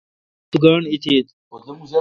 تو گاݨڈ ایتھت۔